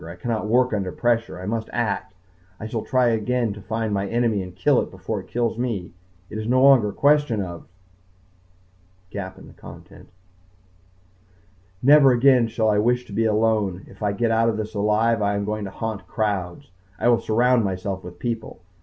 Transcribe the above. I cannot work under pressure. I must act. I shall try again to find my enemy and kill it before it kills me. It is no longer a question of ...... Never again shall I wish to be alone. If I get out of this alive I am going to haunt crowds. I will surround myself with people.